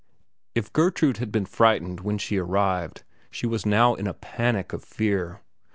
If Gertrude had been frightened when she arrived, she was now in a panic of fear.